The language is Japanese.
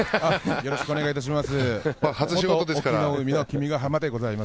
よろしくお願いします。